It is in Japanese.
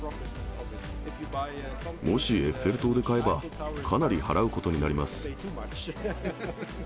もしエッフェル塔で買えば、かなり払うことになります。